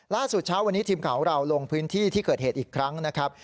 ล่าสุดเช้าวันนี้ทีมข่าวของเราลงพื้นที่ที่เกิดเหตุอีกครั้งนะครับ